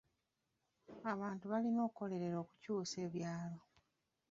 Abantu balina okukolerera okukyusa ebyalo.